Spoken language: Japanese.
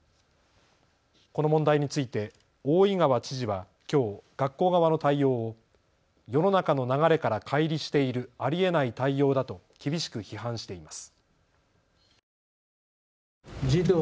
この問題について大井川知事はきょう学校側の対応を世の中の流れからかい離しているありえない対応だと厳しく批判しています。